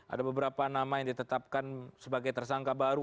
ada beberapa nama yang ditetapkan sebagai tersangka baru